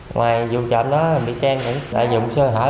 ngoài vụ trộm đó bị khen cũng đại dụng sơ hở